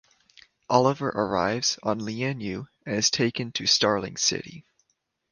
Oliver arrives on Lian Yu and is taken to Starling City.